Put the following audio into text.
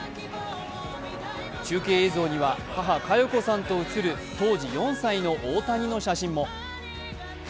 中継映像には、母・加代子さんと写る当時４歳の大谷の写真も。